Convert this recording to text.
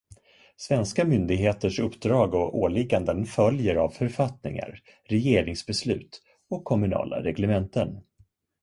Svenska myndigheters uppdrag och åligganden följer av författningar, regeringsbeslut och kommunala reglementen.